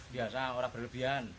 biasa orang berlebihan